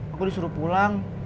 aku disuruh pulang